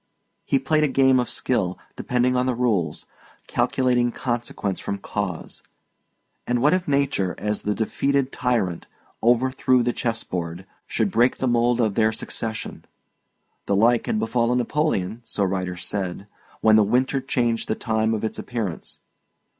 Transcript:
He played a game of skill, depending on the rules, calculating consequence from cause; and what if nature, as the defeated tyrant overthrew the chess board, should break the mould of their succession? The like had befallen Napoleon (so writers said) when the winter changed the time of its appearance.